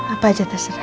apa aja terserah